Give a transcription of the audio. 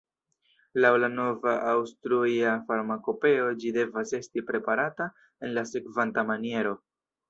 Laŭ la nova Aŭstruja farmakopeo ĝi devas esti preparata en la sekvanta maniero